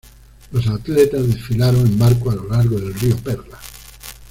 Los atletas desfilaron en barcos a lo largo del Río Perla.